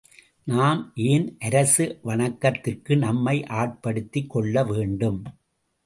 நாம் ஏன் அரச வணக்கத்திற்கு நம்மை ஆட்படுத்திக் கொள்ள வேண்டும்?